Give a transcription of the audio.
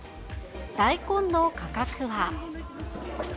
大根の価格は。